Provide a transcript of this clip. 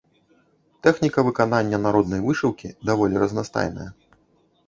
Тэхніка выканання народнай вышыўкі даволі разнастайная.